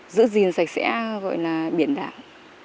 giữ gìn sạch sẽ gọi là biển đảng